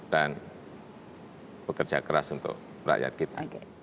dan bekerja keras untuk rakyat kita